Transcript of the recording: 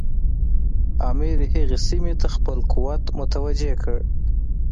امیر هغې سیمې ته خپل قوت متوجه کړ.